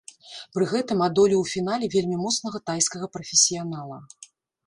Пры гэтым адолеў у фінале вельмі моцнага тайскага прафесіянала.